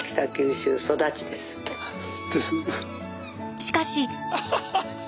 しかし。